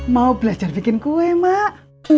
mau belajar bikin kue mbak